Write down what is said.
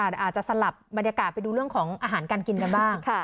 อาจจะสลับบรรยากาศไปดูเรื่องของอาหารการกินกันบ้าง